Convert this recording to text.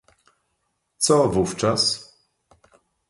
Co wówczas?